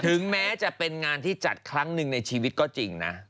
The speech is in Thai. ถึงแม้จะเป็นงานที่จัดครั้งหนึ่งในชีวิตก็จริงนะ